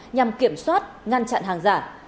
nhằm kiểm soát ngăn chặn hàng giả